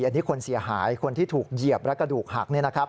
อันนี้คนเสียหายคนที่ถูกเหยียบและกระดูกหักเนี่ยนะครับ